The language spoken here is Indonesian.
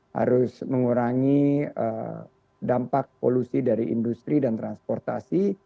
harus mengurangi dampak polusi dari industri dan transportasi